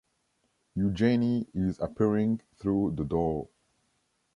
Eugénie is appearing through the door.